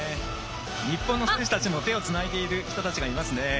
日本の選手たちも手をつないでいる人たちがいます。